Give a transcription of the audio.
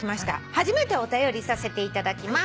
「初めてお便りさせていただきます」